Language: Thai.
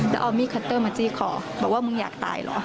แล้วเอามีดคัตเตอร์มาจี้คอบอกว่ามึงอยากตายเหรอ